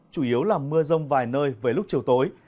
chủ yếu là mưa rông vài nơi với lúc chiều tối